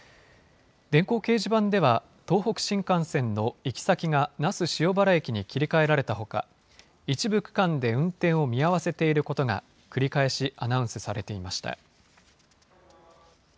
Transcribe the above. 電光掲示板では、東北新幹線の行き先が那須塩原駅に切り替えられたほか、一部区間で運転を見合わせていることが、繰り返しアナウンスされていました。